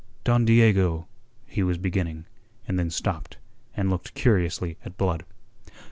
"Don Diego..." he was beginning, and then stopped, and looked curiously at Blood.